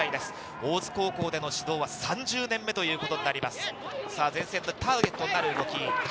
大津高校での指導は３０年目ということになります。